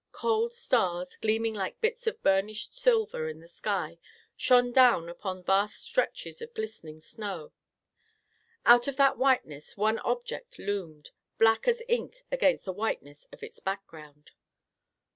Cold stars, gleaming like bits of burnished silver in the sky, shone down upon vast stretches of glistening snow. Out of that whiteness one object loomed, black as ink against the whiteness of its background.